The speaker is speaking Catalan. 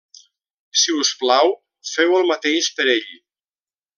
Si us plau, feu el mateix per ell.